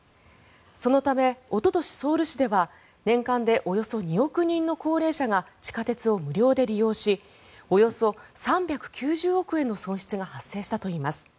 そのため、おととしソウル市では年間でおよそ２億人の高齢者が地下鉄を無料で利用しおよそ３９０億円の損失が発生したといいます。